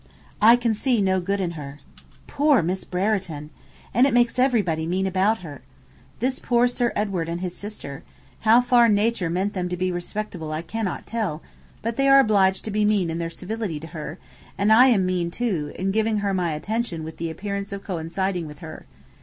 I can see no good in her. Poor Miss Brereton! And it makes everybody mean about her. This poor Sir Edward and his sister! how far nature meant them to be respectable I cannot tell; but they are obliged to be mean in their servility to her; and I am mean, too, in giving her my attention with the appearance of coinciding with her.